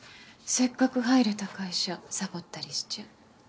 せっかく入れた会社サボったりしちゃ。